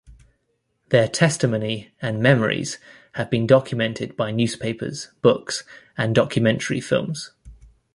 Their testimony and memories have been documented by newspapers, books, and documentary films.